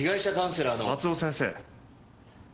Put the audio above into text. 松尾先生。